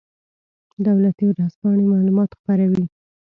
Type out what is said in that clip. دولتي ورځپاڼې معلومات خپروي